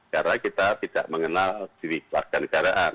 karena kita tidak mengenal diri warga negaraan